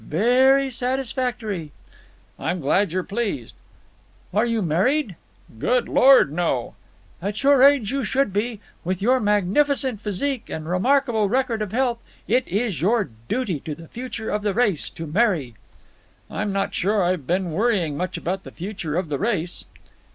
Very satisfactory." "I'm glad you're pleased." "Are you married?" "Good Lord, no!" "At your age you should be. With your magnificent physique and remarkable record of health, it is your duty to the future of the race to marry." "I'm not sure I've been worrying much about the future of the race."